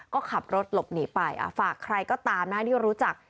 ก็ขับรถหลบหนีไปฝากใครก็ตามนะที่รู้จัก